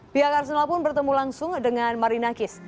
pihak arsenal pun bertemu langsung dengan marinakis